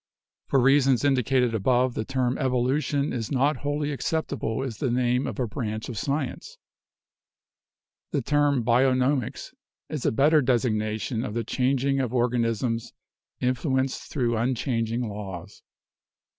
"For reasons indicated above the term 'evolution' is not wholly acceptable as the name of a branch of science. The term 'bionomics' is a better designation of the chan ging of organisms influenced through unchanging laws.